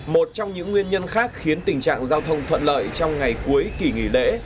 một trong những nguyên nhân khác khiến tình trạng giao thông thuận lợi trong ngày cuối kỳ nghỉ lễ